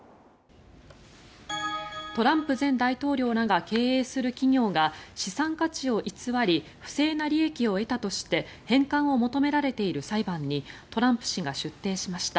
トランプ前大統領らが経営する企業が資産価値を偽り不正な利益を得たとして返還を求められている裁判にトランプ氏が出廷しました。